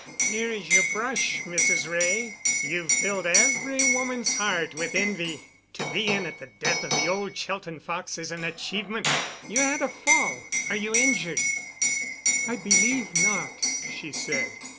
"Here is your Brush, Mrs. Wray. You've filled every woman's heart with envy. To be in at the death of the old Chelten Fox is an achievement. You had a fall. Are you injured?" "I believe not," she said.